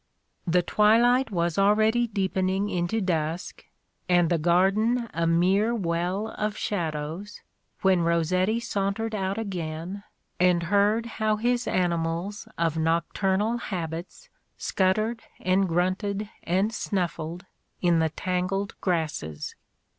The twilight was already deepening into A DAY WITH ROSSETTI. dusk, and the garden a mere well of shadows, when Rossetti sauntered out again, and heard how his animals of nocturnal habits scuttered and grunted and snu£9ed in the tangled grasses.